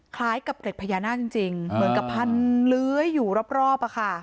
คล้ายกับเกร็ดพญานาคจริงเหมือนกับพันเลื้อยอยู่รอบ